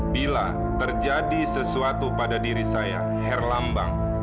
bila terjadi sesuatu pada diri saya herlambang